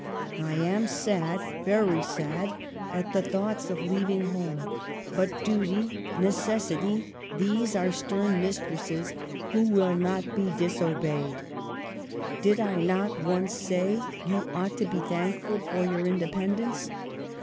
I am sad — very sad — at the thoughts of leaving home ; but duty — necessity — these are stern mistresses, who will not be disobeyed. Did I not once say you ought to be thankful for your independence